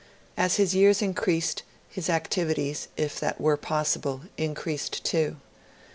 As his years increased, his activities, if that were possible, increased too.